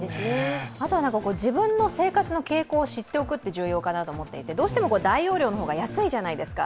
自分の生活の傾向を知っておくのが重要かなと思っていて、どうしても大容量の方が安いじゃないですか。